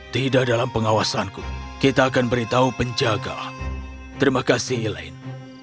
tidak dalam pengawasanku kita akan beritahu penjaga terima kasih elaine